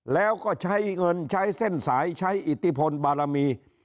แล้วก็ใช้เงินใช้เส้นสายใช้อิทธิพลบารมี